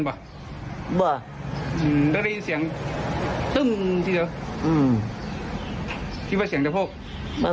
ว่ามันเสียงเล็กน้อยแร็งก็พวกอืม